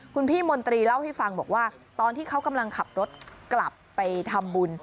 คุณพี่มนตรีเล่าให้ฟังบอกว่าตอนที่เขากำลังขับรถกลับไปทำบุญ